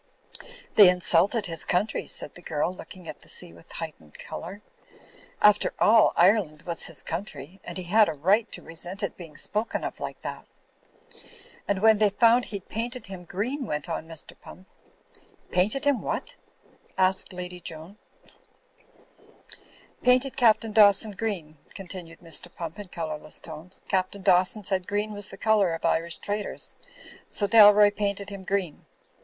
"They insulted his country," said the girl, looking at the sea with a heightened colour. "After all, Ire land was his country; and he had a right to resent it being spoken of like that." "And when they foimd he'd painted him green," went on Mr. Pump. "Painted him what?" asked Lady Joan, "Painted Captain Dawson green," continued Mr. Pump in colourless tones. "Captain Dawson said green was the colour of Irish traitors, so Dalroy paint ed him green.